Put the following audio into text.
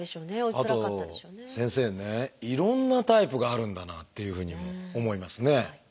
あと先生ねいろんなタイプがあるんだなっていうふうに思いますね。